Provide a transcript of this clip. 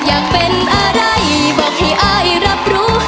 อะไรครับ